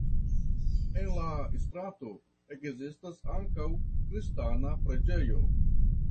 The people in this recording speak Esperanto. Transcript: En la strato ekzistas ankaŭ kristana preĝejo.